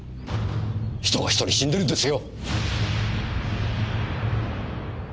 人が１人死んでるんですよ！